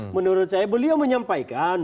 menurut saya beliau menyampaikan